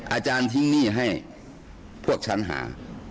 อาจารย์ทิ้งหนี้ให้พวกฉันหา